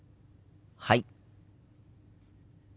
はい。